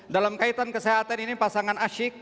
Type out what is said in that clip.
dalam kaitan kesehatan ini pasangan asyik